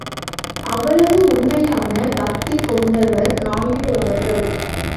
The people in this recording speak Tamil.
அவ்வளவு உண்மையான பக்தி கொண்டவர் நாயுடு அவர்கள்.